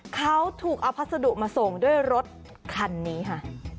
เขาถูกเอาพัสดุมาส่งด้วยรถคันนี้ค่ะ